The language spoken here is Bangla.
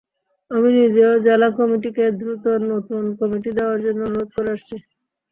আমি নিজেও জেলা কমিটিকে দ্রুত নতুন কমিটি দেওয়ার জন্য অনুরোধ করে আসছি।